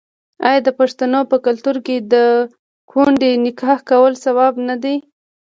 آیا د پښتنو په کلتور کې د کونډې نکاح کول ثواب نه دی؟